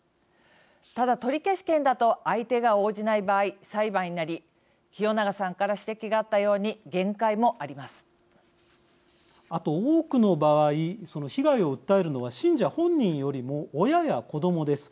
ただ、取消権だと相手が応じない場合、裁判になり清永さんから指摘があったようにあと、多くの場合その被害を訴えるのは信者本人よりも親や子どもです。